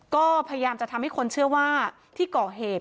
ก็พยายามจะทำให้คนเชื่อว่าที่ก่อเหตุ